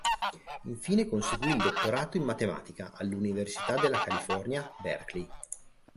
Infine conseguì il dottorato in matematica all'Università della California, Berkeley.